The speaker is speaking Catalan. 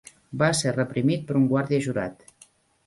Va ser reprimit per un guàrdia jurat.